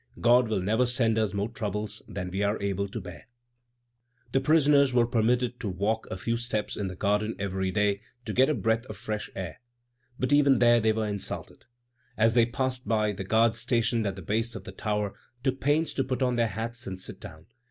God will never send us more troubles than we are able to bear." The prisoners were permitted to walk a few steps in the garden every day to get a breath of fresh air. But even there they were insulted. As they passed by, the guards stationed at the base of the tower took pains to put on their hats and sit down.